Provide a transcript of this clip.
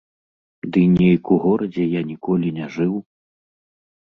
Ды нейк у горадзе я ніколі не жыў.